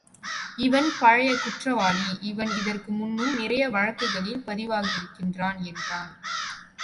இவன் பழைய குற்றவாளி, இவன் இதற்கு முன்னும் நிறைய வழக்குகளில் பதிவாகி இருக்கின்றான் என்றான்.